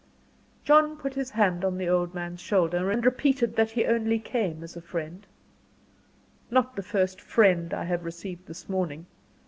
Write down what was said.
John put his hand on the old man's shoulder, and repeated that he only came as a friend. "Not the first 'friend' I have received this morning.